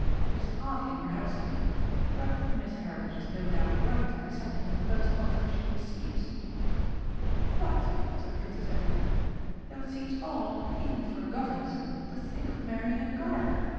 "It is hardly, perhaps but Miss Heritage is no doubt right in accepting the first offer she receives." "Quite," said Princess Edna, "though it seems odd even for a Governess to think of marrying a gardener!